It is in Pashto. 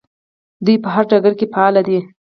دوی په هر ډګر کې فعالې دي.